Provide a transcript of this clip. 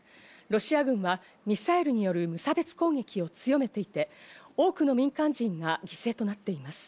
ロシア軍はミサイルによる無差別攻撃を強めていて、多くの民間人が犠牲となっています。